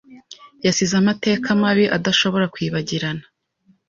yasize amateka mabi adashobora kwibagirana